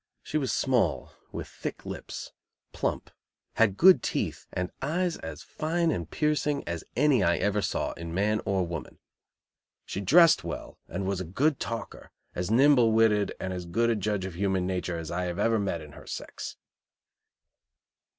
She was small, with thick lips, plump, had good teeth and eyes as fine and piercing as any I ever saw in man or woman. She dressed well and was a good talker, as nimble witted and as good a judge of human nature as I ever met in her sex.